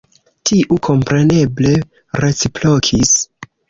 Tiu kompreneble reciprokis.”